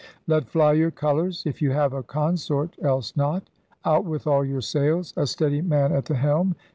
*Let fly your colours!' (if you have a consort — else not). 'Out with all your sails! A steadie man at the helm!